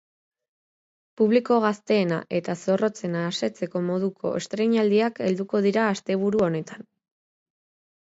Publiko gazteena eta zorrotzena asetzeko moduko estreinaldiak helduko dira asteburu honetan.